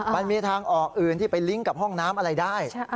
มันมีทางออกอื่นที่ไปลิงก์กับห้องน้ำอะไรได้